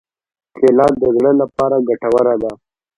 کېله د زړه لپاره ګټوره ده.